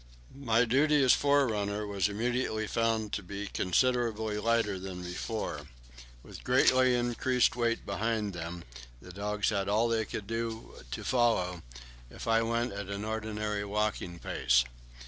My duty as forerunner was immediately found to be considerably lighter than before. With the greatly increased weight behind them the dogs had all they could do to follow, if I went at an ordinary walking pace.